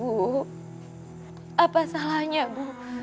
bu apa salahnya bu